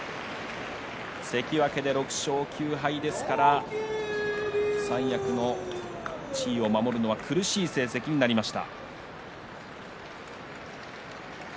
関脇で６勝９敗ですから三役の地位を守るのは苦しい成績になりました。